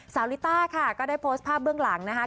ลิต้าค่ะก็ได้โพสต์ภาพเบื้องหลังนะคะ